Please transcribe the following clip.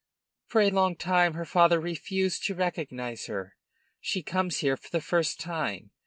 For a long time her father refused to recognize her. She comes here for the first time.